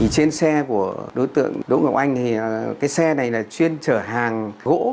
trên xe của đối tượng đỗ ngọc anh thì cái xe này là chuyên trở hàng gỗ